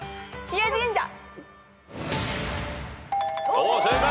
おお正解。